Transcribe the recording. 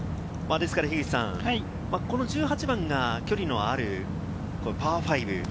この１８番が距離のあるパー５。